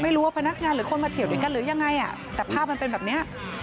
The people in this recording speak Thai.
หรือว่าพนักงานหรือคนมาเถียวด้วยกันหรือยังไงแต่ภาพมันเป็นแบบเนี้ย